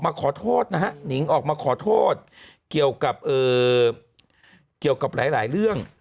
ขอโทษนะฮะนิงออกมาขอโทษเกี่ยวกับเกี่ยวกับหลายเรื่อง